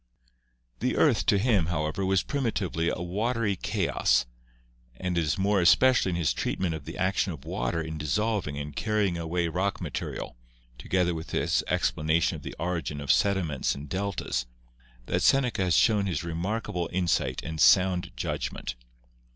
The earth to him, however, was primitively a watery chaos, and it is more especially in his treatment of the action of water in dissolving and carrying away rock material, together with his explanation of the origin of sediments and deltas, that Seneca has shown his remark able insight and sound judgment.